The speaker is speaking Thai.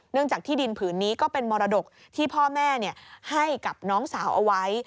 จากที่ดินผืนนี้ก็เป็นมรดกที่พ่อแม่ให้กับน้องสาวเอาไว้